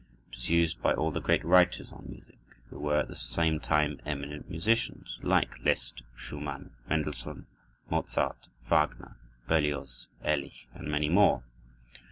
It was used by all the great writers on music who were at the same time eminent musicians, like Liszt, Schumann, Mendelssohn, Mozart, Wagner, Berlioz, Ehrlich, and many more.